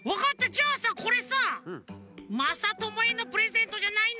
じゃあさこれさまさともへのプレゼントじゃないの？